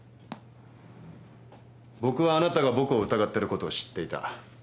僕はあなたが僕を疑がっていることを知っていた。